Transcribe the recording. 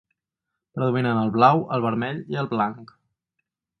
Predominen el blau, el vermell i el blanc.